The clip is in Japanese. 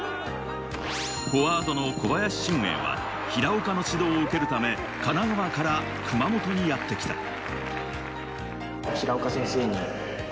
フォワードの小林俊瑛は平岡の指導を受けるため神奈川から熊本にやってきた。